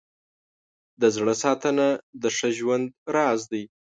د زړه ساتنه د ښه ژوند راز دی.